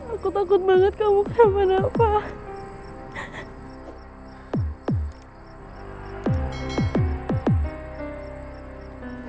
aku takut banget kamu kemana mana